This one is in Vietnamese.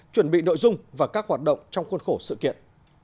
chuẩn bị nội dung và các hoạt động trong khuôn khổ sự kiện